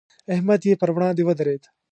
احمد یې پر وړاندې ودرېد.